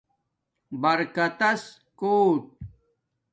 برکتس کوٹ